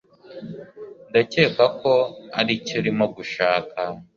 ndakeka ko aricyo urimo gushaka